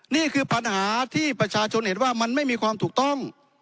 นี่คือปัญหาที่ประชาชนเห็นว่ามันไม่มีความถูกต้อง